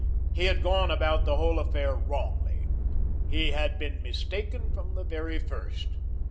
He had gone about the whole affair wrongly. He had been mistaken from the very first.